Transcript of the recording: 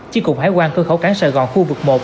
chi cục hải quan cơ khẩu cảng sài gòn khu vực một